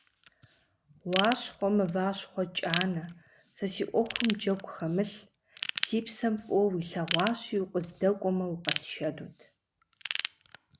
Уащхъуэ Мыващхъуэ КӀанэ, сэ си Ӏуэхум джэгу хэмылъ: си псэм фӀыуэ уилъэгъуащи, укъыздэкӀуэмэ, укъэсшэнут!